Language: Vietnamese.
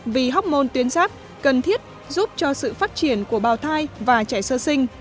vì hốc môn tuyến sát cần thiết giúp cho sự phát triển của bào thai và trẻ sơ sinh